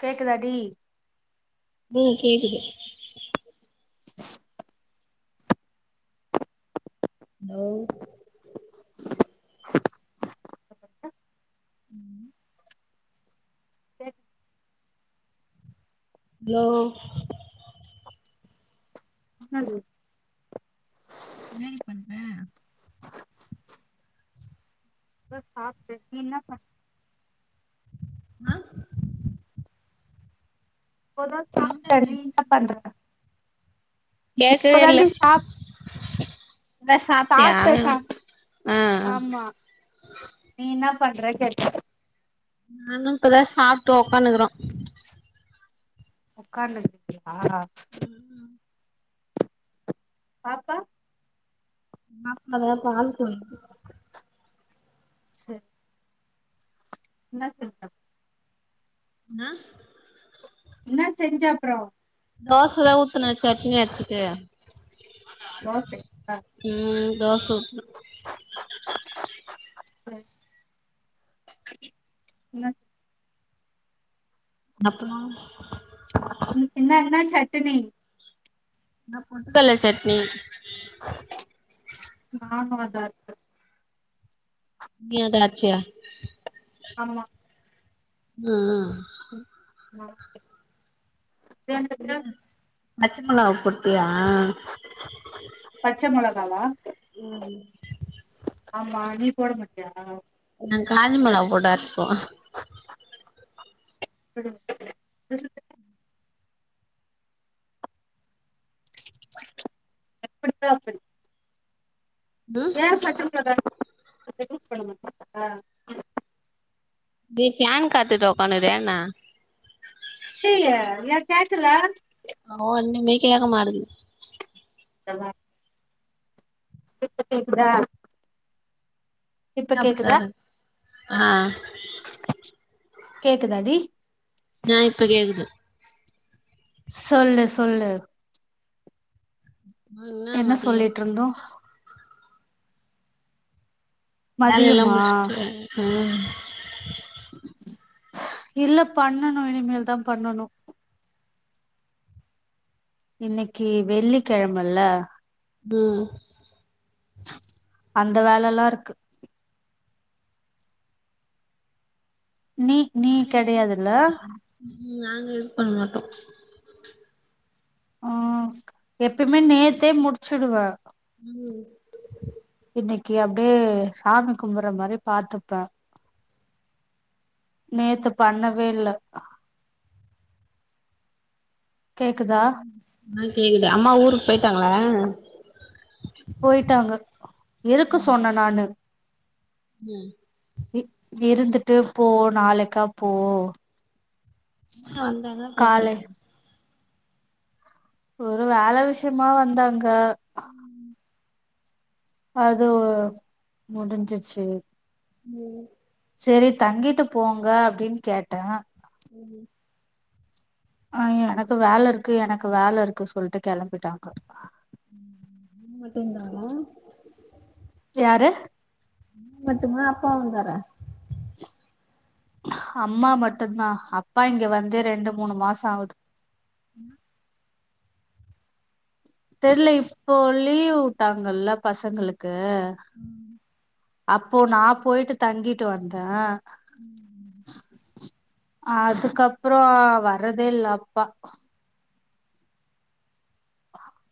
கேக்குதா டி ம் கேக்குது ஹலோ [inaudible] ஹலோ ஹலோ என்னடி பண்ற இப்பதா சாப்டே நீ என்ன பண் ஆ இப்போதா சவுண்டா சாப்ட்டனே நீ பேசு என்ன பண்ற கேக்கவே இல்ல இப்பதா சாப்ட்டியா சாப்ட்டாச்சா, ஆ ஆமா நீ என்ன பண்ற கேட்ட நானு இப்பதா சாப்ட்டு ஒக்காந்துக்கிற உட்காந்து இருக்கீங்களா உம் உம் பாப்பா பாப்பா அது பால் குடிக்கது சேரி என்ன [unintelligible] அ என்ன செஞ்ச அப்புறம் தோசத ஊத்துன சட்னி அரச்சுட்டு தோசையா ம் தோச ஊத்து ம் என்ன உனக்கு மா என்ன என்ன சட்னி நா பெட்டுகல்ல சட்னி நானு அதா அரச்ச நீயு அதா அரச்சையா ஆமா ம் [unintelligible] ம் பச்சமிளகா போட்டியா பச்ச மிளகாவா ம் ஆமா நீ போட மாட்டியா நா காஞ்ச மிளக போட்ட அரச்சுக்கோ [unintelligible] எப்டிதா அப்டி ம் ஏ [unintelligible] நீ கேன் காத்துட்டு உட்காந்துரிய என்ன இல்லையே ஏ கேக்கல ஆ ஓன்னுமே கேக்க மாட்டேது நல்லா இப்ப கேட்குதா இப்ப அப்டிதா கேக்குதா இருக்கு ஆ கேக்குதா டி ஆ இப்ப கேக்குது சொல்லு சொல்லு ஆ என்ன மதியம் வந்தோ வேல எல்லா மதியமா முடிச்சட்டு உம் இல்ல பண்ணணு இனிமேல் தா பண்ணணு இன்னைக்கி வெள்ளிக்கிழமல்ல ம் அந்த வேல எல்லா இருக்கு நீ நீ காலையிலே முடிச் கிடையாதுல்ல ம் நாங்க இது பண்ண மாட்டோ ஆ எப்பயுமே நேத்தே முடிச்சுடுவ ம் இன்னைக்கு அப்டியே சாமி கும்புற மாரி பாத்துப்பே நேத்து பண்ணவே இல்ல கேக்குதா ஆ கேக்குது அம்மா ஊர்க்கு போயிட்டாங்ளா போயிட்டாங்க இருக்க சொன்னே நானு ம் ம் இருந்துட்டு போ நாளைக்கா போ என்ன வந்தாங்க அப்றோ காலை போய்ட்டாங்க ஒரு வேல விஷ்யமா வந்தாங்க அதுவு முடிஞ்சிர்ச்சி ம் செரி தங்கிட்டு போங்க அப்டின் கேட்டே ம் ஆ எனக்கு வேல இர்க்கு எனக்கு வேல இர்க்கு சொல்ட்டு கெளம்பிட்டாங்க நீ மட்டுந்தா யாரு நீ மட்டுமா அப்பா வந்தாரா அம்மா மட்டுந்தா அப்பா இங்க வந்து ரெண்டு மூணு மாசோ ஆவுது என்ன தெர்ல இப்போ லீவ் விட்டாங்கள்ள பசங்களுக்கு அப்போ நா போய்ட்டு தங்கிட்டு வந்தே அதுக்கப்றோ வர்றதே இல்ல அப்பா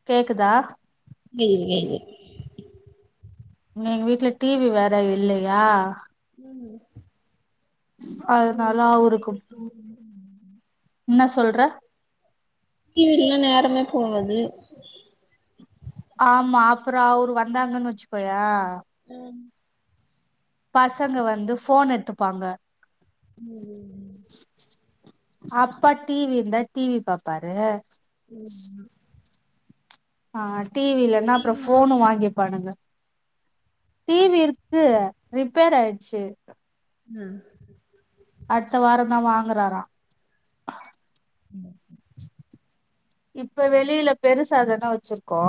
கேக்குதா கேகுது கேகுது இன்னு எங்க வீட்ல டி வி வேற இல்லையா ம் ஆமா அதனால அவருக்கு என்ன சொல்ற டி வி இல்னா நேரமே போவது ஆமா அப்றோ அவரு வந்தாங்கன் வச்சுக்கோயே ம் பசங்க வந்து போன் எடுத்துப்பாங்க ம் அப்பா டி வி இருந்தா டி வி பாப்பாரு செரிங்ணா ஆ டி வி நா இல்லனா டி அப்றோ வி போனு வாங்கல வாங்கிப் பானுங்க டி வி இருக்கு ரிப்பேர் ஆயிட்ச்சு ம் அட்த்த வாரந்தா வாங்குறாரா ம் இப்ப வெளில பெருசா தான வச்சிருக்கோ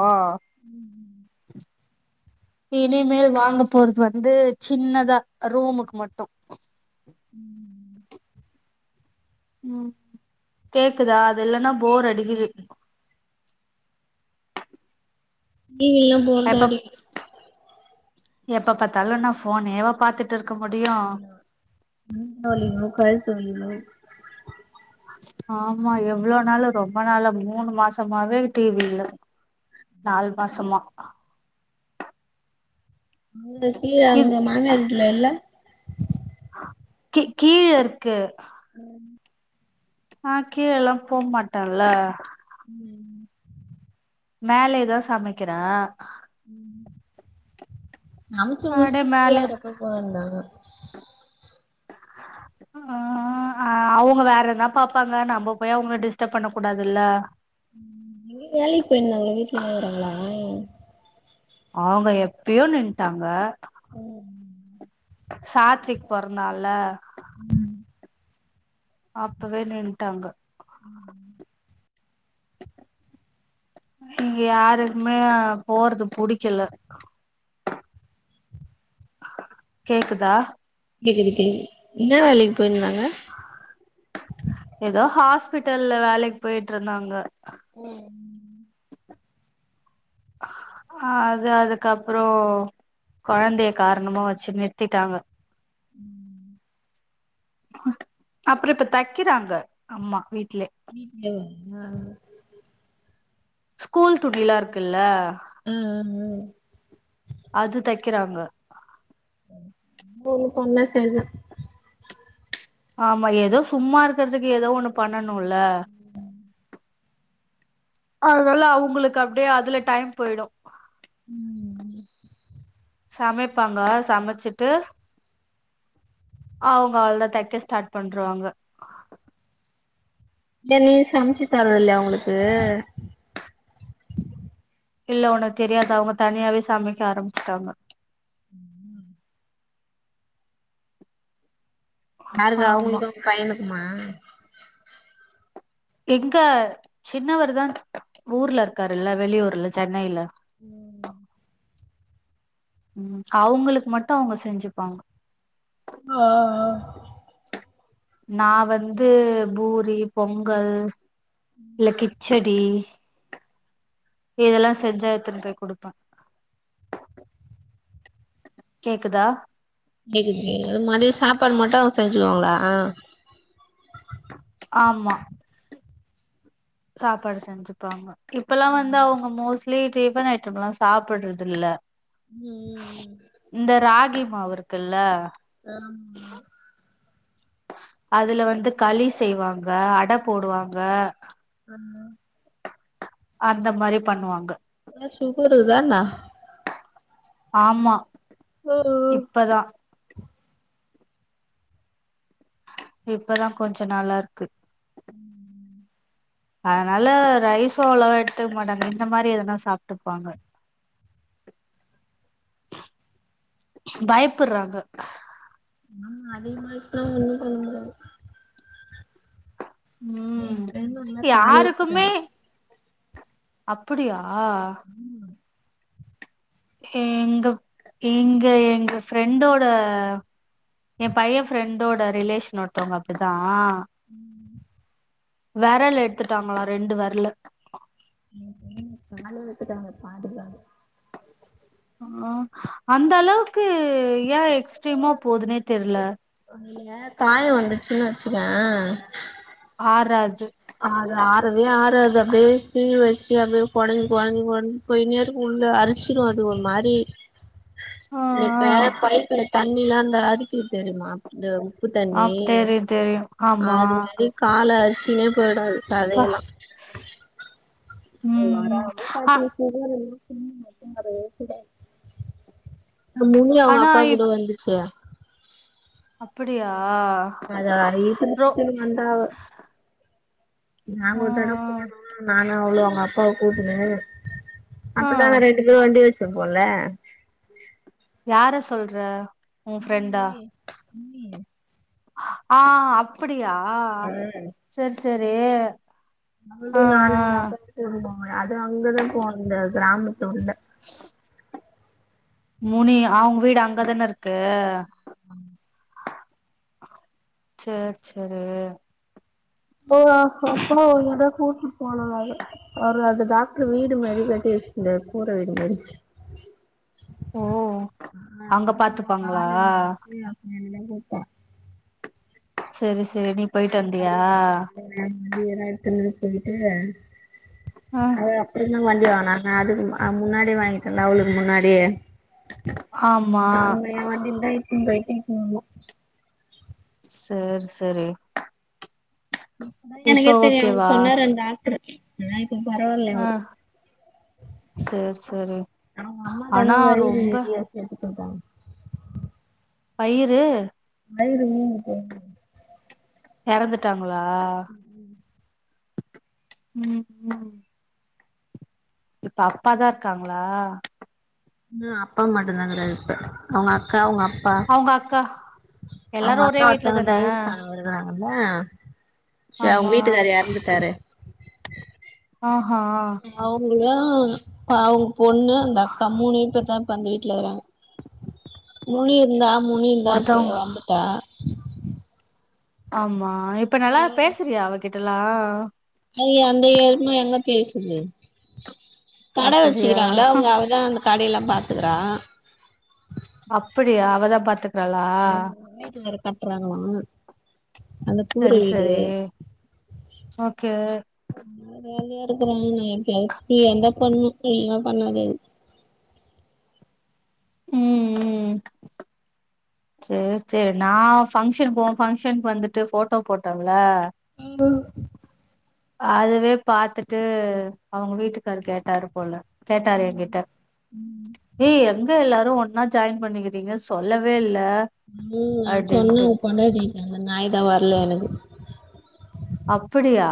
இனிமேல் வாங்க போறது வந்து சின்னதா ரூமுக்கு மட்டு ம் ம் கேக்குதா அதுல்லன்னா போர் கேக்குது அடிக்குது கேக்குது டி வி இல்லாம எப்பப் எப்ப பாத்தாலு நா ஃபோனே வா பாத்துட்டு இருக்க முடியு [unintelligible] ஆமா எவ்ளோ நாளு ரொம்ப நாள மூணனு மாசமாவே டி வி இல்ல நாலு மாசமா உங்க டி வி இது அங்க மாமியார் வீட்ல இல்ல கீ கீழ இருக்கு ம் நா கீழல்லா போ மாட்டெல்ல ம் மேலய் தா சமக்கிறே ம் சமச்சு அப்டியே முடுச்ட்டு மேல ஃப்ரீயா இருகப்ப போ வேண்ட்தா ஆ அ அவுங்க வேறனா பாப்பாங்க நம்ப போய் அவுங்கள டிஸ்டப் பண்ண கூடாதுல்ல ம் எங்கயு வேலைக் போயிருந்தாங்கள வீட்ல இர்குறாங்களா அஆவுங்க எப்பயோ நின்ட்டாங்க ம் சாத்விக் பொறந்தால ம் அப்பவே நின்ட்டாங்க ம் இங்க யாருக்குமே போறது புடிக்கல கேக்குதா கேக்குது கேக்குது என்ன வேலைக்கு போயிருந்தாங்க ஏதோ ஹாஸ்பிட்டல்ல வேலைக் போயிட்டு இருந்தாங்க ம் அது அதுக்கப்றொ கொழந்தய காரணமா வச்சு நிற்த்திட்டாங்க ம் அப்றொ இப்ப தக்கிறாங்க அம்மா வீட்லே வீட்லேவா ஸ்கூல் துணிலா இருக்குல்ல ம் ம் ம் அது தக்கிறாங்க போக [unintelligible] ஆமா ஏதோ சும்மா இருக்குறதுக்கு ஏதோ ஒன்னு பண்ணனுல அதுனால அவுங்களுக்கு அப்டியே அதுல டைம் போயிடு ம் சமைப்பாங்க சமச்சிட்டு அவுங்க அவ்ள்தா தைக்க ஸ்டார்ட் பண்றுவாங்க இல்ல நீ சமச்சு தரது இல்லயா அவுங்களுக்கு இல்ல உனக்கு தெரியாதா அவுங்க தனியாவே சமைக்க ஆரம்பிச்சுட்டாங்க யாருக்கு ஆமா அவுங்களுக்கு பையனுக்குமா எங்க சின்னவர் தா ஊர்ல இருக்காருல்ல வெளியூர்ல சென்னைல ம் ம் அவுங்களுக்கு மட்டு அவுங்க செஞ்சுப்பாங்க ஆ ஆ நா வந்து பூரி பொங்கல் இல்ல கிச்சட் டி இதெல்லா செஞ்சா எட்த்துனு போய் குடுப்பே கேக்குதா கேக்குது கேக்குது அது மதிய சாப்பாடு மட்டு அவ்ங்க செஞ்சுக்குவாங்களா ஆமா சாப்பாடு செஞ்சுப்பாங்க இப்பலா வந்து அவ்ங்க மோஸ்ட் லி டிஃபன் ஐட்டம்லா சாப்புட்றதில்ல சும்மா இந்த ராகிமாவு இருக்குல்ல ஆமா அதுல வந்து களி செய்வாங்க அட போடுவாங்க ஆமா அந்த மாரி பண்ணுவாங்க ஒனக்கு சுகரு தான ஆமா ம் இப்பதா இப்பதா கொஞ் நல்லாருக்கு ம் ம் அதனால ரைஸு அவ்ளவா எடுத்துக்க மாட்டாங்க இந்த மாரி எதனா சாப்ட்டுப்பாங்க பயப்புட்றாங்க ஆமா அதிகமாய்ருச்சுனா ஒன்னு பண்ண முடியாது ம் எங்க பெரிமாக்குலா தாலி யாருக்குமே வச்சுட்டாங்க அப்புடியா எங்க எங்க எங்க ஃப்ரெண்டோட எ பைய ஃப்ரெண்டோட ரிலேஷன் ஒருத்தவ்ங்க அப்டித்தா ம் வெரல எட்த்துட்டாங்களா ரெண்டு வெரலு எங்க [inaudible] காலே எட்த்துட்டாங்க பாதி காலு அப்றோ அந்த அளவுக்கு ஏ எக்ஸ்ட்ரீமா போதுனே தெரில அ இல்லைங்க காய வந்துட்ச்சுன்னு வெச்சுக்க ஆராது ஆ அது ஆரவே ஆராது அப்டியே சீல் வெச்சு அப்டியே கொடஞ்சு கொடஞ்சு கொடஞ் போய்னேருக்கு உள்ள அரிச்சிரு அது ஒரு மாரி ஆ ஆ இப்ப பைப்புல தண்ணிலா இந்த அரிக்குது தெரியுமா இந்த உப்பு ஆ தண்ணி தெரியு தெரியு ஆமா அது மாரி கால அரிச்சு சுனே போயிடு அது அப்பா சதையெல்லா ஓ ம் ம் வராம ஆ பாத்து வெச்சுக்கிறது அது [inaudible] அது லு மிம்மி அவ்ங்க அப்பா ஆனா கூட வந்துச்சே அப்பிடியா அதா இழுத்துனு கிழுத்துனு வந்தா அவ நாங்க ஓரு தடவ ம் போனோ நானு அவ்ளு அவ்ங்க அப்பாவ கூட்டுனு ஆ அப்பதா நா ரெண்டு பேரு வண்டி வெச்சிருப்போல்ல யார சொல்ற ஒ முனி ஃப்ரெண்டா முனி முனி ஆ அப்பிடியா சேரி சேரி அவளும் நானும் அப்பாப போனோமே அதுவு அங்கதா போ முடியாது கிராமத்து உள்ள முனி அவங்க வீடு அங்கதானே இருக்கு சரி சரி போன்னா அப்பா ஒரு தடவ கூட்டு போனார் அவர் அது டாக்டர் வீடு மாதிரி கட்டி வச்சுத்தார் கூர வீடு மாரி ஓ ஆ அங்க [inaudible] பாத்துப்பாங்களா கலைல இருந்து சரி சரி நா போயிட்டு [inaudible] வந்தியா இருக்கே ம ஏதாவ எடுத்துன்ன போயிட்டு ஆ அதா இனும் வண்டி வாங்கு நாங்க அதுக்கு முன்னாடிே வாங்கிட்டோலா அவளுக்கு முன்னாடியே ஆமா அவங்க எ வண்டில தா எடுத்துட்டு போய்ட்டு இப்ப சரி சரி அப்ப தா எனக்கே இப்ப தெரியும் ஓகேவா சொன்னார அந்த டாக்ட்ரு நா பரவலையா ஆ அவரு சரி சரி ஆனா ரொம்ப கெட்டு போட்டா பயிறு வயிறு வீங்கிட்டு இறந்துட்டாங்களா உம் இப்ப அப்பாதா இருக்காங்களா ஆ அப்பா மட்டும்தா இருப்பாரு அவங்க அக்கா அவங்க அப்பா அவங்க அக்கா அப்பா எல்லாரு அவங்க ஒரே அக்கா வீட்ல ஒருத்தவங்க தான டைவ்ஸ் ஆனா இருக்கறாங்கல்ல ச அவங்க ஆமா வீட்டுக்கார இறந்துட்டாரு ஆ அ அவங்களா அவங்க பொண்ணு அந்த அக்கா மூணே பேர் தா இப்ப அந்த வீட்டுல இருக்குறாங்க முனி இருந்தா முனி இருந்தா ஒருத்தவங்க வந்துட்டா ஆமா இப்ப நல்லா ஒரே பேசுறியா அவகிட்டல்லா ஐ அந்த ஏரும எங்க பேசுது கட அப்படியா வச்சுக்கிறாங்களா அவங்க அவதா அந்த கடயெல்லாம் பார்த்துக்கறா அப்படியா அவதா பாத்துக்க அ வீட்டு வேற கட்டுறாங்களாம் அந்த கூற சரி வீடு சரி ஓகே ந வேலையா இருக்கரா வையே என்ன பண்ணனும் தெரியாம பண்ணாத உம் உம் சரி சரி நா ஃபங்க்ஷன் போ ஃபங்க்ஷனு வந்துட்டு போட்டோ போட்டேம்ல ஆ அதுவே பார்த்துட்டு அவங்க வீட்டுக்கரு கேட்டாரு போல கேட்டாரு என்கிட்ட ஏய் எங்க எல்லாரும் ஒன்னா ஜாயின் பண்ணிக்கிறீங்க சொல்லவே இல்ல உம் நா சொன்னே அப்டின்ட்டு அவ பொண்டடீ கிட்ட அந்த நாய் தா வரல எனக்கு அப்படியா